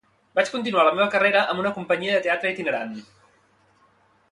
Vaig continuar la meva carrera amb una companyia de teatre itinerant.